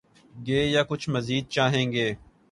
گے یا کچھ مزید چاہیں گے؟